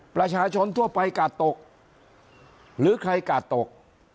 ประชาชนทั่วไปกาดตกหรือใครกาดตก